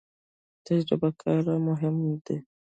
تجربه په کار کې مهمه ده